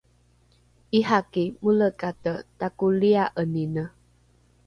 ’iraki molekate takolia’enine